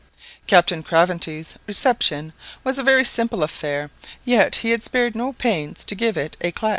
Captain Craventy's reception was a very simple affair, yet he had spared no pains to give it éclat.